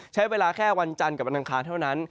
ใช้เวลาแค่วันจันทร์กับวันอังคารเท่านั้น